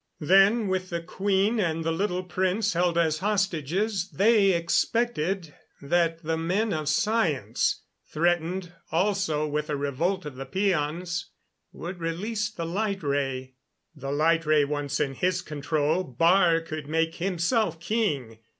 Then with the queen and the little prince held as hostages, they expected that the men of science, threatened also with a revolt of the peons, would release the light ray. The light ray once in his control, Baar could make himself king.